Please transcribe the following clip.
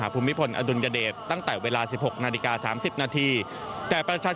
คืออยู่ตรงพระรามเก้า